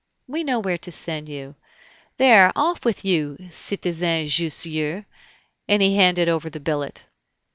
"We know where to send you. There, off with you, Citizen Jussieu," and he handed over the billet.